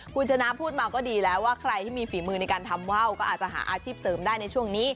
คุณชนะพูดมาก็ดีแล้วว่าใครที่มีฝีมือในการทำว่าวก็อาจจะหาอาชีพเสริมได้ในช่วงนี้